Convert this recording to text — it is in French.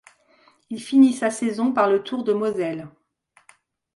Il finit sa saison par le Tour de Moselle.